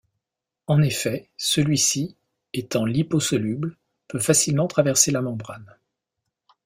En effet, celui-ci, étant liposolubles, peut facilement traverser la membrane.